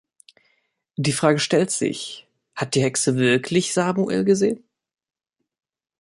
Die Frage stellt sich: Hat die Hexe wirklich Samuel gesehen?